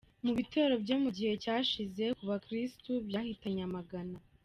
Mu bitero byo mu gihe cyashize ku bakirisitu byahitanye amagana.